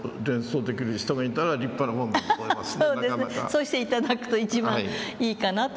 そうして頂くと一番いいかなと思って。